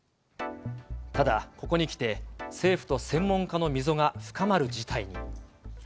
ただ、ここに来て、政府と専門家の溝が深まる事態に。